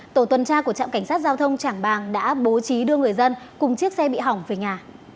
tổ tuần tra của trạm cảnh sát giao thông trảng bàng đã bố trí đưa người dân cùng chiếc xe bị hỏng về nhà